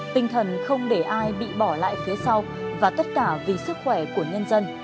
tinh thần không để ai bị bỏ lại phía sau và tất cả vì sức khỏe của nhân dân